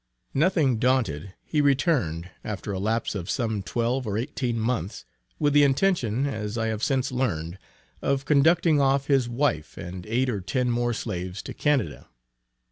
Nothing daunted he returned, after a lapse of some twelve or eighteen months, with the intention, as I have since learned, of conducting off his wife and eight or ten more slaves to Canada.